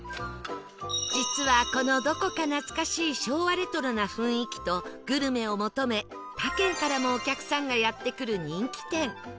実はこのどこか懐かしい昭和レトロな雰囲気とグルメを求め他県からもお客さんがやって来る人気店